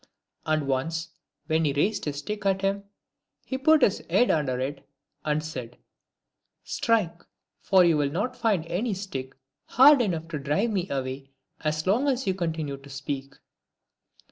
And once, when he raised his stick at him, he put his head under it, and said, " Strike, for you will not find any stick hard enough to drive me away as long as you continue to speak."